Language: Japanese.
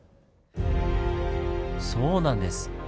そうなんです！